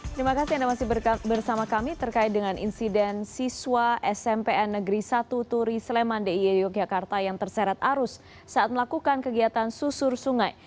terima kasih anda masih bersama kami terkait dengan insiden siswa smpn negeri satu turi sleman d i e yogyakarta yang terseret arus saat melakukan kegiatan susur sungai